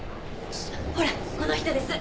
ほらこの人です。